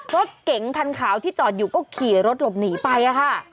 รถเก๋งคันขาวที่จอดอยู่ก็ขี่รถหลบหนีไปค่ะ